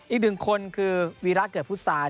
อีกหนึ่งคนคือวีระเกิดพุทธศาสต